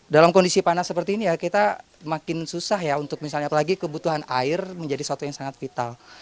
dalam kondisi panas seperti ini ya kita makin susah ya untuk misalnya apalagi kebutuhan air menjadi suatu yang sangat vital